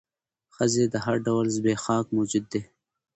د ښځې هر ډول زبېښاک موجود دى.